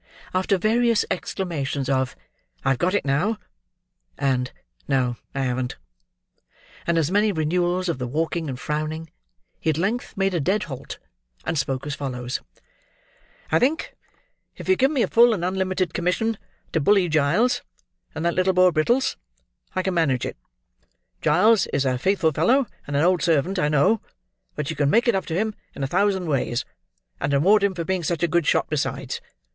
After various exclamations of "I've got it now" and "no, I haven't," and as many renewals of the walking and frowning, he at length made a dead halt, and spoke as follows: "I think if you give me a full and unlimited commission to bully Giles, and that little boy, Brittles, I can manage it. Giles is a faithful fellow and an old servant, I know; but you can make it up to him in a thousand ways, and reward him for being such a good shot besides.